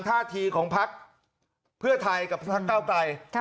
ท่าทีของพักเพื่อไทยกับพักเก้าไกล